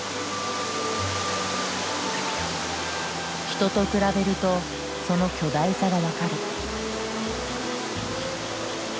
人と比べるとその巨大さが分かる。